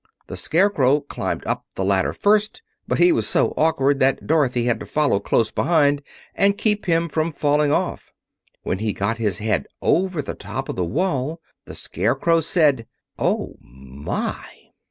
The Scarecrow climbed up the ladder first, but he was so awkward that Dorothy had to follow close behind and keep him from falling off. When he got his head over the top of the wall the Scarecrow said, "Oh, my!"